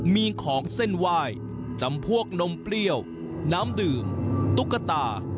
มีของเส้นไหว้จำพวกนมเปรี้ยวน้ำดื่มตุ๊กตา